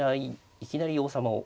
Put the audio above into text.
いきなり王様を。